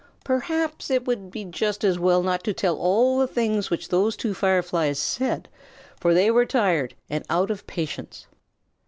Perhaps it would be just as well not to tell all the things which those two Fireflies said, for they were tired and out of patience.